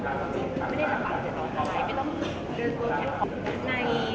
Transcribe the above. ไม่ได้สบายไม่ได้สบาย